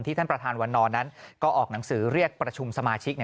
ท่านประธานวันนอนนั้นก็ออกหนังสือเรียกประชุมสมาชิก